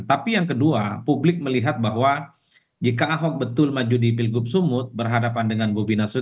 tapi yang kedua publik melihat bahwa jika ahok betul maju di pilgub sumut berhadapan dengan bobi nasud